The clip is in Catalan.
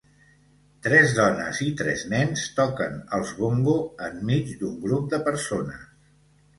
Tres dones i tres nens toquen els bongo en mig d'un grup de persones.